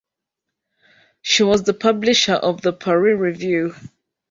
She was the publisher of "The Paris Review".